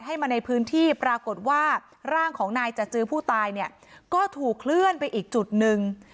มาในพื้นที่ปรากฏว่าร่างของนายจัดจือผู้ตายเนี่ยก็ถูกเคลื่อนไปอีกจุดหนึ่ง